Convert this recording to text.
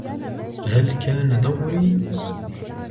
هل كان دوري؟